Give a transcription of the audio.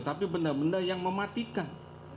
tapi benda benda yang mematikan